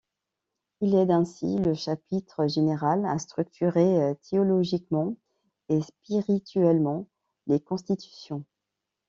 Il aide ainsi le Chapitre Général à structurer théologiquement et spirituellement les constitutions.